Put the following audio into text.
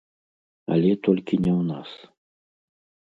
Але толькі не ў нас.